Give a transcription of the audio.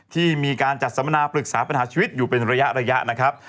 ที่มีการจัดสัมมนาปรึกษาปัญหาชีวิตอยู่เป็นระยะนะครับ